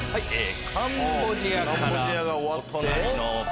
カンボジアから。